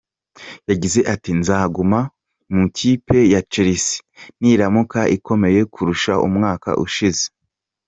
Yagize ati “Nzaguma mu ikipe ya Chelsea niramuka ikomeye kurusha umwaka ushize.